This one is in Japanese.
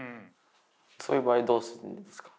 そういう場合どうするんですか？